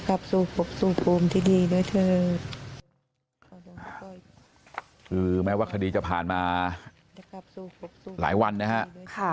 คือแม้ว่าคดีจะผ่านมาหลายวันนะฮะ